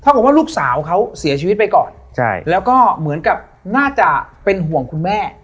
บอกว่าลูกสาวเขาเสียชีวิตไปก่อนใช่แล้วก็เหมือนกับน่าจะเป็นห่วงคุณแม่